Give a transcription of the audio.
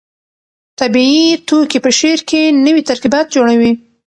طبیعي توکي په شعر کې نوي ترکیبات جوړوي.